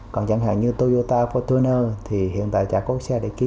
còn chẳng hạn như toyota portuner thì hiện tại chả có xe để ký